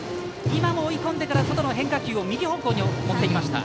今も追い込んでから外の変化球を右方向に持っていきました。